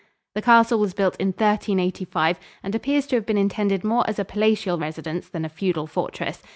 The castle was built in 1385 and appears to have been intended more as a palatial residence than a feudal fortress.